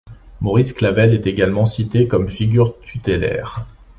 Maurice Clavel est également cité comme figure tutélaire.